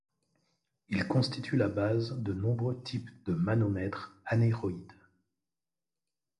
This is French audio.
Il constitue la base de nombreux types de manomètres anéroïdes.